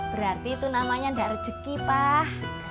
berarti itu namanya enggak rezeki pak